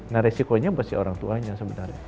nah resikonya masih orang tuanya sebenarnya